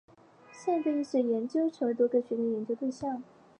现代对意识的研究已经成为了多个学科的研究对象。